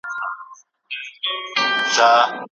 بزګر په خپلې تېرې پرېکړې باندې لږ څه پښېمانه معلومېده.